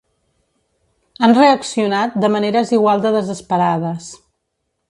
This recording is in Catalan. Han reaccionat de maneres igual de desesperades.